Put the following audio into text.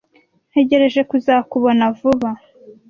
Ntegereje kuzakubona vuba.